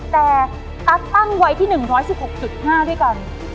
แต่ตั๊กตั้งไว้ที่๑๑๖๕ด้วยกัน